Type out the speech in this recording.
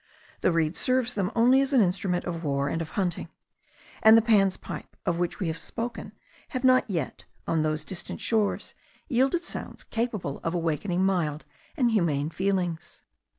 The reed serves them only as an instrument of war and of hunting; and the Pan's pipes, of which we have spoken, have not yet, on those distant shores, yielded sounds capable of awakening mild and humane feelings.